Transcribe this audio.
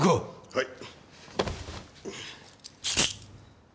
はい。